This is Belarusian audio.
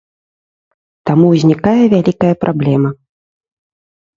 Таму ўзнікае вялікая праблема.